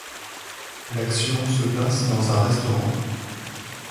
L'action se passe dans un restaurant.